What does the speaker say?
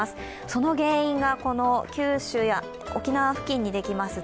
その原因が九州や沖縄付近にできます